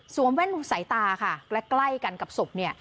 แว่นสายตาค่ะและใกล้กันกับศพเนี่ย